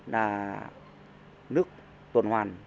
là nước tồn hoàn